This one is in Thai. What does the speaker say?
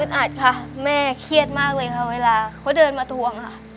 อัดค่ะแม่เครียดมากเลยค่ะเวลาเขาเดินมาทวงค่ะ